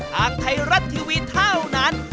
ทางไทยรัฐทีวีเท่านั้น